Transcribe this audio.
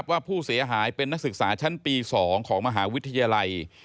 ว่าผู้เสียหายเป็นนักศึกษาชั้นปี๒ของมหาวิทยาลัย